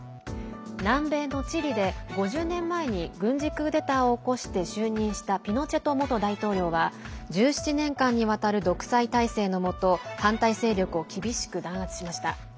南米のチリで、５０年前に軍事クーデターを起こして就任したピノチェト元大統領は１７年間にわたる独裁体制のもと反対勢力を厳しく弾圧しました。